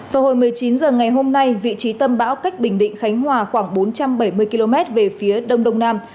vào hồi một mươi chín h ngày hôm nay vị trí tâm bão cách bình định khánh hòa khoảng bốn trăm bảy mươi km về phía đông đông nam